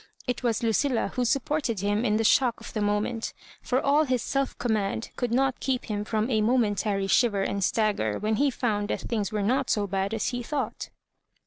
It was Lucilla who supported him in the shock of the moment, for all his self command could not keep him from a momentary shiver and stagger when he found that things were not so bad as he thought.